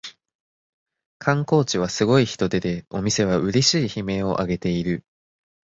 観光地はすごい人出でお店はうれしい悲鳴をあげている